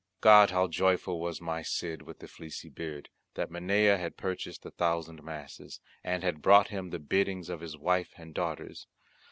God, how joyful was my Cid with the fleecy beard, that Minaya had purchased the thousand masses, and had brought him the biddings of his wife and daughters!